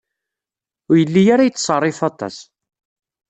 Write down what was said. Ur yelli ara yettṣerrif aṭas.